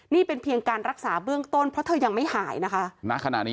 นี่เป็นเพียงการรักษาเบื้องต้นเพราะเธอยังไม่หายนะคะณขณะนี้